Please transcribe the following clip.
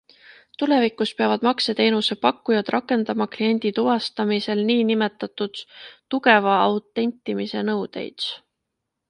Tulevikus peavad makseteenuse pakkujad rakendama kliendi tuvastamisel niinimetatud tugeva autentimise nõudeid.